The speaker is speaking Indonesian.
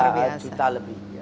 jadi sekitar tiga juta lebih